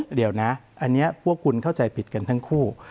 เดี๋ยวนะอันนี้พวกคุณเข้าใจผิดกันทั้งคู่